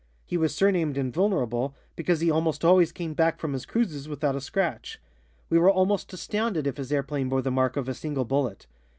He was surnamed "Invulnerable" because he almost always came back from his cruises without a scratch. We were almost astounded if his airplane bore the mark of a single bullet.